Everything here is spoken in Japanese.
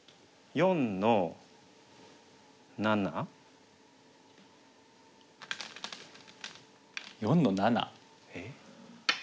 ４の七えっ？